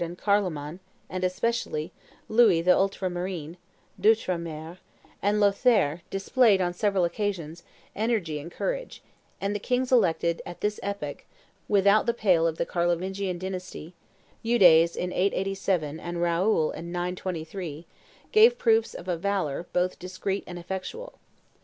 and Carloman, and, especially, Louis the Ultramarine (d'Outremer) and Lothaire, displayed, on several occasions, energy and courage; and the kings elected, at this epoch, without the pale of the Carlovingian dynasty Eudes in 887 and Raoul in 923 gave proofs of a valor both discreet and effectual.